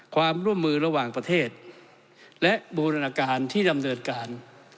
ความร่วมมือระหว่างประเทศและบูรณาการที่ดำเนินการ